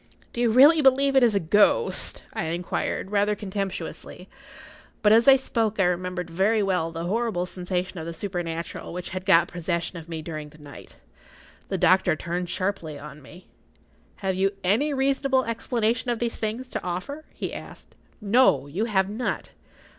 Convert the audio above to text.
"Do you really believe it is a ghost?" I inquired, rather contemptuously. But as I spoke I remembered very well the horrible sensation of the supernatural[Pg 51] which had got possession of me during the night. The doctor turned sharply on me—— "Have you any reasonable explanation of these things to offer?" he asked. "No; you have not.